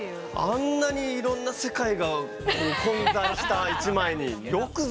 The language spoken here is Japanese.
あんなにいろんな世界が混在した一枚によくぞ。